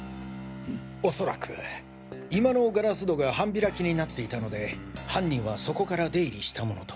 おそらく居間のガラス戸が半開きになっていたので犯人はそこから出入りしたものと。